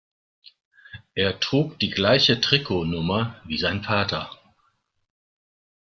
Er trug die gleiche Trikotnummer wie sein Vater.